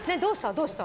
どうした？